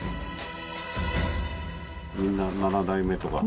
みんな７代目とか。